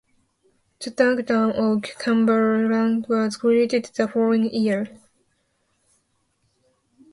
The dukedom of Cumberland was created the following year.